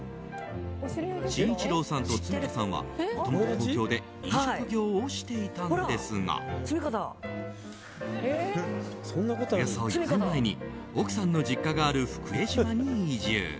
慎一郎さんと都美香さんはもともと東京で飲食業をしていたんですがおよそ４年前に奥さんの実家がある福江島に移住。